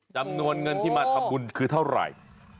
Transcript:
จำนวนเงินที่มาทำบุญคือเท่าไหร่